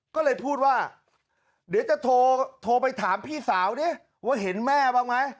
ก็เลยพูดว่าเดี๋ยวจะโทรไปถามพี่สาวดิว่าเห็นแม่บ้างไหม